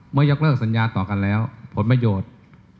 ยกเลิกสัญญาต่อกันแล้วผลประโยชน์